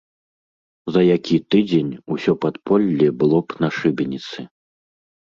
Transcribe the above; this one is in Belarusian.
За які тыдзень усё падполле было б на шыбеніцы.